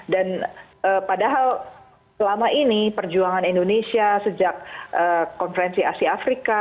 dan padahal selama ini perjuangan indonesia sejak konferensi asia afrika